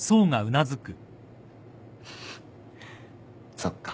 そっか。